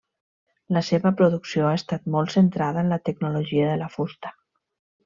La seva producció ha estat molt centrada en la tecnologia de la fusta.